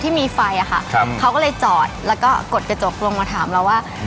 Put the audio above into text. ที่มีไฟอะค่ะครับเขาก็เลยจอดแล้วก็กดกระจกลงมาถามเราว่า